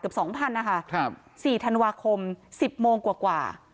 เกือบสองพันนะคะครับสี่ธันวาคมสิบโมงกว่า